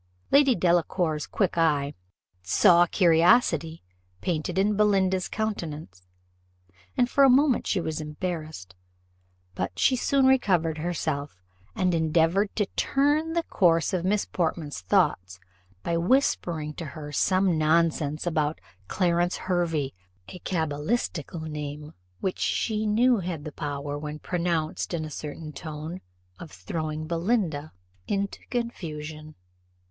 Lady Delacour's quick eye saw curiosity painted in Belinda's countenance, and for a moment she was embarrassed; but she soon recovered herself, and endeavoured to turn the course of Miss Portman's thoughts by whispering to her some nonsense about Clarence Hervey a cabalistical name, which she knew had the power, when pronounced in a certain tone, of throwing Belinda into confusion.